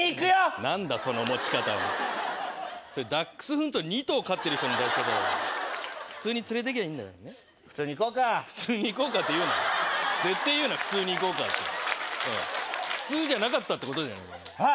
何だその持ち方はそれダックスフント２頭飼ってる人の抱き方だ普通に連れてきゃいいんだからね普通に行こうか普通に行こうかって言うな絶対言うな普通に行こうかって普通じゃなかったってことじゃないあっ